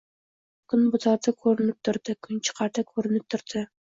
Kunbotar-da ko‘rinib turdi, kunchiqar-da qo‘rinib turdi.